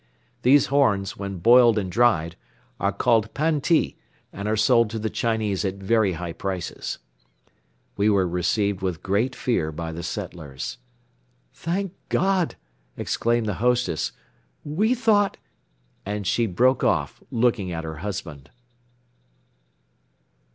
These horns, when boiled and dried, are called panti and are sold to the Chinese at very high prices. We were received with great fear by the settlers. "Thank God!" exclaimed the hostess, "we thought ..." and she broke off, looking at her husband.